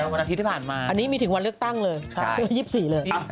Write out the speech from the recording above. วันอาทิตย์ที่ผ่านมาอันนี้มีถึงวันเลือกตั้งเลยวันที่๒๔เลย